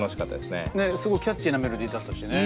ねっすごいキャッチーなメロディーだったしね。